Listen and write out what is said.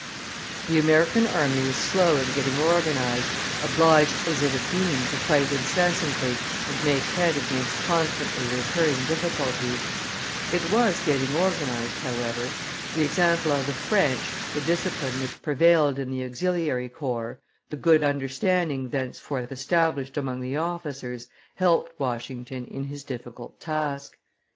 The American army was slow in getting organized, obliged as it had been to fight incessantly and make head against constantly recurring difficulties; it was getting organized, however; the example of the French, the discipline which prevailed in the auxiliary corps, the good understanding thenceforth established among the officers, helped Washington in his difficult task.